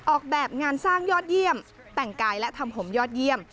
ออกแบบงานสร้างยอดเยี่ยมแต่งกายและทำผมยอดเยี่ยม